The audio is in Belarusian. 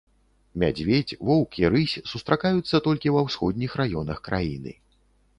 Мядзведзь, воўк і рысь сустракаюцца толькі ва ўсходніх раёнах краіны.